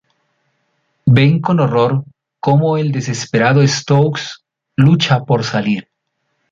Ven con horror como el desesperado Stokes lucha por salir.